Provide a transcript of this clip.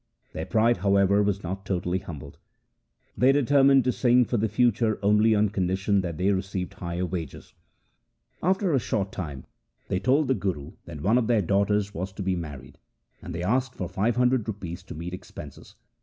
Their pride, however, was not totally humbled. They determined to sing for the future 22 THE SIKH RELIGION only on condition that they received higher wages. After a short time they told the Guru that one of their daughters was to be married, and they asked for five hundred rupees to meet expenses.